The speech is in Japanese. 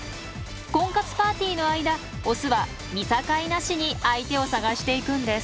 婚活パーティーの間オスは見境なしに相手を探していくんです。